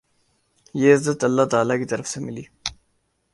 یہ عزت اللہ تعالی کی طرف سے ملی۔